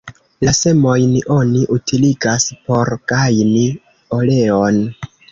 La semojn oni utiligas por gajni oleon.